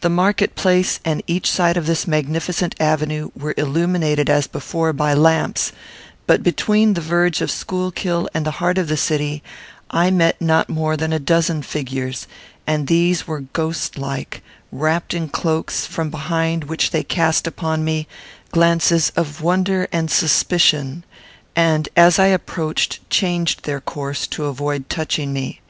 The market place, and each side of this magnificent avenue, were illuminated, as before, by lamps; but between the verge of Schuylkill and the heart of the city I met not more than a dozen figures; and these were ghost like, wrapped in cloaks, from behind which they cast upon me glances of wonder and suspicion, and, as I approached, changed their course, to avoid touching me.